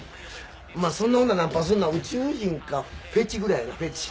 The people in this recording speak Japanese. まあそんな女ナンパすんのは宇宙人かフェチぐらいやなフェチ。